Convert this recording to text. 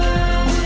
chẳng còn bước vào